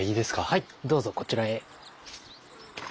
はいどうぞこちらへ。